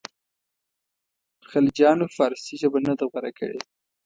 خلجیانو فارسي ژبه نه ده غوره کړې.